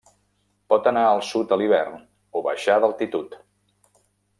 Pot anar al sud a l'hivern o baixar d'altitud.